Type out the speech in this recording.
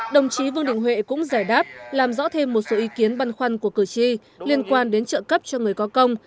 đồng chí vương đình huệ cũng giải đáp làm rõ thêm một số ý kiến băn khoăn của cử tri liên quan đến trợ cấp cho người có công